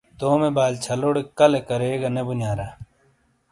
تومے بال چھلوڑے کَلے کرے گہ نے بُنیارا۔